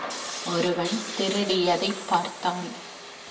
ஒருவன் திருடியதைப் பார்த்தான்.